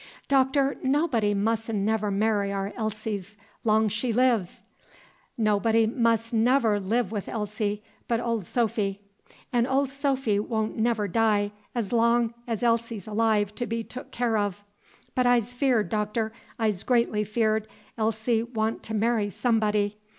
"Doctor, nobody mus'n' never marry our Elsie 's longs she lives! Nobody mus' n' never live with Elsie but ol Sophy; 'n' ol Sophy won't never die 's long 's Elsie 's alive to be took care of. But I's feared, Doctor, I's greatly feared Elsie wan' to marry somebody.